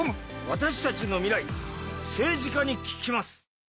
私たちの未来、政治家に聞きます！